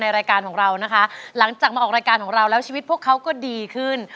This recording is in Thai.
รายการของเรานะคะหลังจากมาออกรายการของเราแล้วชีวิตพวกเขาก็ดีขึ้น